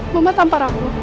mama tampar aku